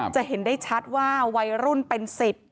จะเห็นได้ชัดว่าวัยรุ่นเป็น๑๐